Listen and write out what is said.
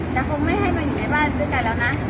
แต่คงไม่ให้มาอยู่ในบ้านด้วยกันแล้วนะ